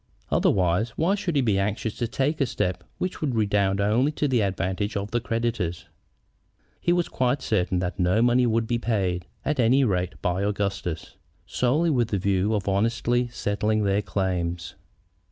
Otherwise, why should he be anxious to take a step which would redound only to the advantage of the creditors? He was quite certain that no money would be paid, at any rate, by Augustus, solely with the view of honestly settling their claims.